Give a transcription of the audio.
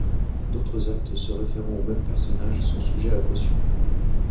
D'autres actes se référant au même personnage sont sujets à caution.